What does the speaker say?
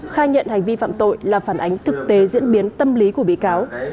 khai nhận hành vi phạm tội là phản ánh thực tế diễn biến tâm lý của bị cáo